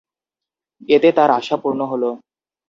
এতে তার আশা পূর্ণ হল।